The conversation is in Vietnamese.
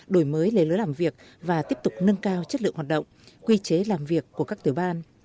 đổi mới lề lối làm việc và tiếp tục nâng cao chất lượng hoạt động quy chế làm việc của các tiểu ban